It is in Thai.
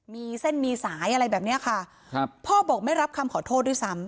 มีเส้นมีสายอะไรแบบเนี้ยค่ะครับพ่อบอกไม่รับคำขอโทษด้วยซ้ำ